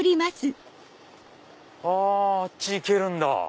ああっち行けるんだ！